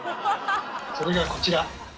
それがこちら！